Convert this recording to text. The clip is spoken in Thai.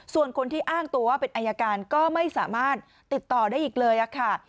ส่วนคนที่อ้างตัวว่าเป็นอายการก็ไม่สามารถติดต่อได้อีกเลยค่ะ